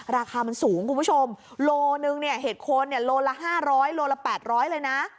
ราคามันสูงคุณผู้ชมโลนึงเห็ดโคนโลละ๕๐๐โลละ๘๐๐เลยนะ